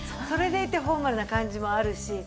それでいてフォーマルな感じもあるし